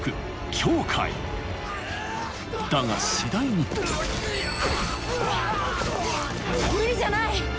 だが次第に無理じゃない。